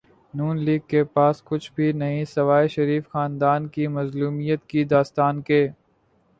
ن لیگ کے پاس کچھ بھی نہیں سوائے شریف خاندان کی مظلومیت کی داستان کے۔